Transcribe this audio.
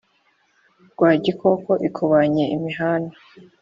rwagikoko ikubanya imihana